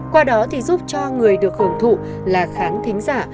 qua đó thì giúp cho người được hưởng thụ là khán thính giả